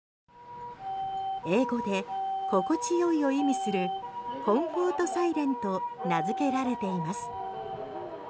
英語で心地良いを意味するコンフォート・サイレンと名付けられています。